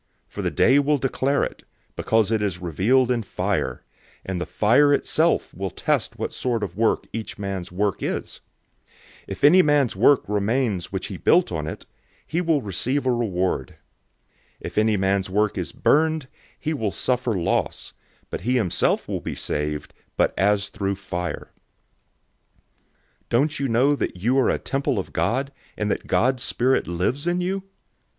For the Day will declare it, because it is revealed in fire; and the fire itself will test what sort of work each man's work is. 003:014 If any man's work remains which he built on it, he will receive a reward. 003:015 If any man's work is burned, he will suffer loss, but he himself will be saved, but as through fire. 003:016 Don't you know that you are a temple of God, and that God's Spirit lives in you?